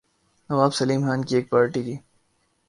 نواب سیلم خان کی ایک پارٹی کی